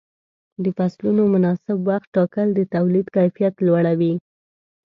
د فصلونو مناسب وخت ټاکل د تولید کیفیت لوړوي.